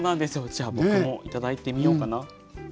じゃあ僕もいただいてみようかな。